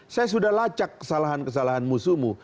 saya sudah lacak kesalahan kesalahan musuhmu